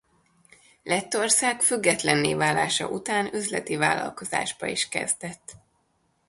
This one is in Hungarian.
Lettország függetlenné válása után üzleti vállalkozásba is kezdett.